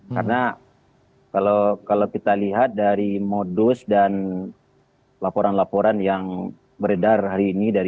karena kalau kita lihat dari modus dan laporan laporan yang beredar hari ini